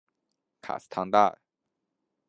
卡斯唐代。